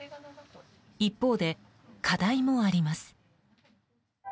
一方で課題もあります。